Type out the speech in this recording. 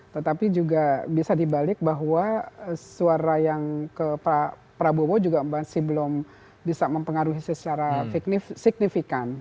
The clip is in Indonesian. tetapi juga bisa dibalik bahwa suara yang ke prabowo juga masih belum bisa mempengaruhi secara signifikan